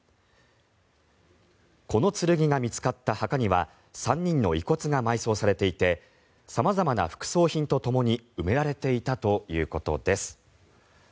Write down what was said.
この剣が見つかった墓には３人の遺骨が埋葬されていて様々な副葬品とともに埋められていたということです。